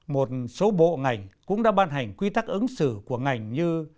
một số bộ ngành cũng đã ban hành quy tắc ứng xử của ngành như